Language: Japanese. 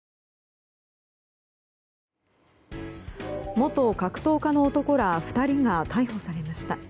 元格闘家の男ら２人が逮捕されました。